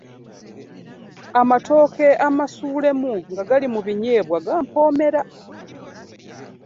Amatooke amasuulemu nga gali mu binyeebwa gampoomera.